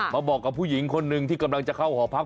มาบอกกับผู้หญิงคนหนึ่งที่กำลังจะเข้าหอพัก